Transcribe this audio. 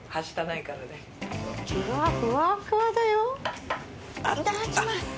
いただきます！